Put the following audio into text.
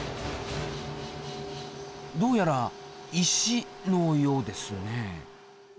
どうやら石のようですね。